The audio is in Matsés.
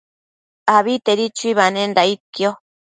Abitedi chuibanenda aidquio